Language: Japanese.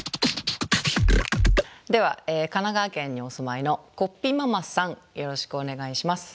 では神奈川県にお住まいのこっぴママさんよろしくお願いします。